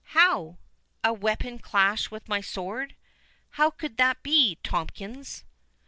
"How? a weapon clash with my sword?—How could that be, Tomkins?"